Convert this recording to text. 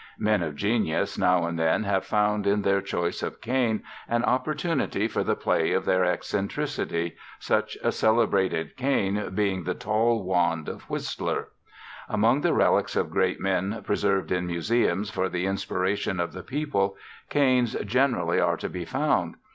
Men of genius now and then have found in their choice of a cane an opportunity for the play of their eccentricity, such a celebrated cane being the tall wand of Whistler. Among the relics of great men preserved in museums for the inspiration of the people canes generally are to be found.